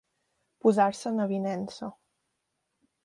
Posar-se en avinença.